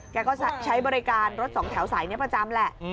แกก็ใช้บริการรถสองแถวสายนี้ประจำแหละ